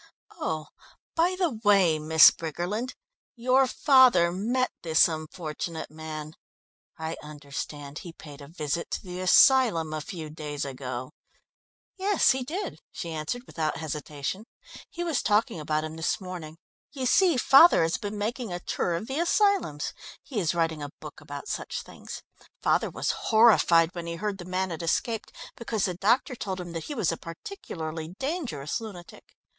Oh, by the way, Miss Briggerland, your father met this unfortunate man. I understand he paid a visit to the asylum a few days ago?" "Yes, he did," she answered without hesitation. "He was talking about him this morning. You see, father has been making a tour of the asylums. He is writing a book about such things. Father was horrified when he heard the man had escaped, because the doctor told him that he was a particularly dangerous lunatic.